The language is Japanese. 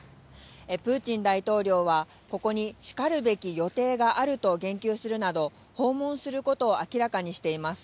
プーチン大統領はここにしかるべき予定があると言及するなど、訪問することを明らかにしています。